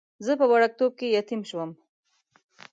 زه په وړکتوب کې یتیم شوم.